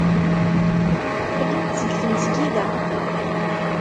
Qqlen-d seg tmesgida.